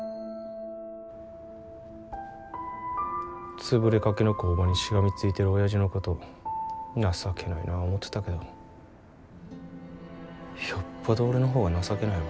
潰れかけの工場にしがみついてるおやじのこと情けないなぁ思てたけどよっぽど俺の方が情けないわ。